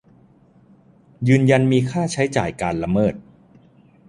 ยืนยันมีค่าใช้จ่ายการละเมิด